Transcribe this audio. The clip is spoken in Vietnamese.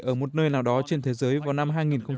ở một nơi nào đó trên thế giới vào năm hai nghìn một mươi chín